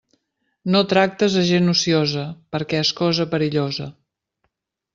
No tractes a gent ociosa, perquè és cosa perillosa.